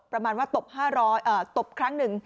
ประมาณว่าตบครั้งหนึ่ง